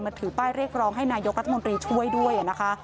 ถือป้ายเรียกร้องให้นายกรัฐมนตรีช่วยด้วยนะคะ